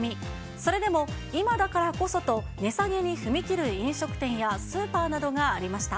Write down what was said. それでも、今だからこそと、値下げに踏み切る飲食店やスーパーなどがありました。